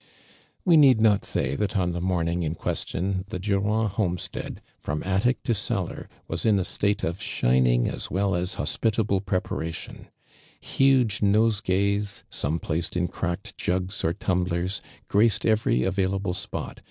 We need not .say that on the morning in <|uestion the Durand homestead, from attic to cellar, was in a state of shiniiig as well as hosj>itable preparation, linge nosegays, some placed in cracked jugs or tumblers, graced every available s)iot.